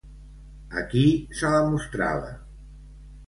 A qui se la mostrava?